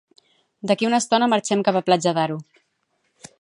D'aquí a una estona marxem cap a Platja d'Aro